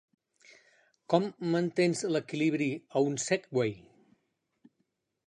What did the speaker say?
Com mantens l"equilibri a un Segway?